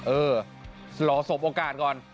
เออรอสบโอกาสก่อน